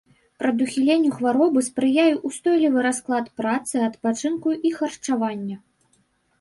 Прадухіленню хваробы спрыяе ўстойлівы расклад працы, адпачынку і харчавання.